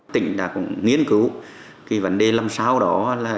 tỉnh đã nghiên cứu vấn đề lâm sao đó